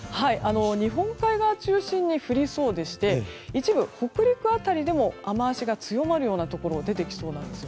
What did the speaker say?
日本海側を中心に降りそうでして一部、北陸辺りでも雨脚が強まるようなところが出てきそうなんです。